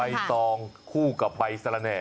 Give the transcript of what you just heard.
ไบซองคู่กับไบสารแน่